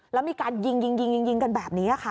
แล้วมีการยิงยิงกันแบบนี้ค่ะ